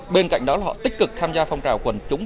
bên cạnh đó là họ tích cực tham gia phong trào quân chúng